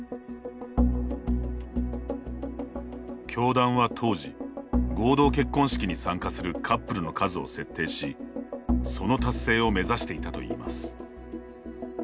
教団は当時、合同結婚式に参加するカップルの数を設定しその達成を目指していたといいます。